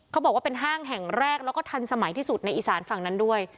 เขาบอกว่าเป็นห้างแห่งแรกแล้วก็ทันสมัยที่สุดในอีสานฝั่งนั้นด้วย